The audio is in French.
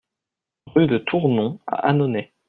Rue de Tournon à Annonay